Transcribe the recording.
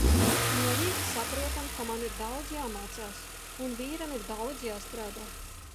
No rīta saprotam, ka man ir daudz jāmācās un vīram ir daudz jāstrādā.